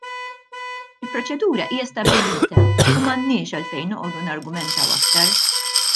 Il-proċedura hija stabbilita u m'għandniex għalfejn noqogħdu nargumentaw iktar.